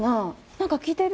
何か聞いてる？